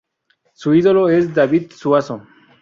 Su ídolo es David Suazo.